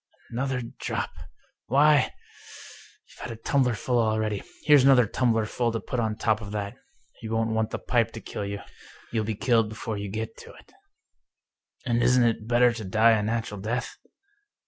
" Another drop ! Why, you've had a tumblerful already I Here's another tumblerful to put on top of that. You won't want the pipe to kill you — ^you'll be killed before you get to it." " And isn't it better to die a natural death?